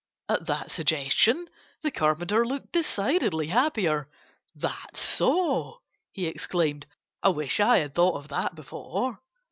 At that suggestion the Carpenter looked decidedly happier. "That's so!" he exclaimed. "I wish I had thought of that before."